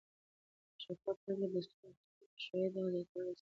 شفافه پرېکړې د ستونزو د حل او مشروعیت د زیاتوالي وسیله دي